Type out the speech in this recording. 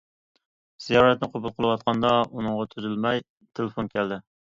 زىيارەتنى قوبۇل قىلىۋاتقاندا، ئۇنىڭغا ئۈزۈلمەي تېلېفون كەلدى.